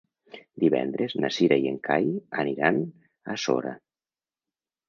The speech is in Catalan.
Divendres na Cira i en Cai aniran a Sora.